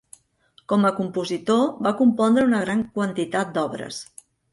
Com a compositor va compondre una gran quantitat d'obres.